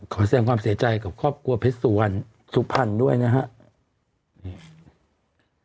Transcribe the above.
แสดงความเสียใจกับครอบครัวเพชรสุวรรณสุพรรณด้วยนะครับ